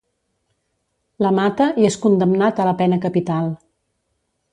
La mata i és condemnat a la pena capital.